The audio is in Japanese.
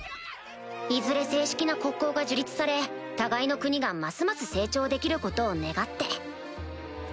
いずれ正式な国交が樹立され互いの国がますます成長できることを願って